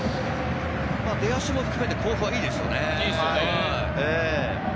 出足も含めて、甲府はいいいですね。